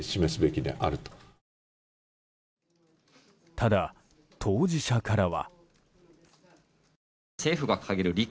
ただ、当事者からは。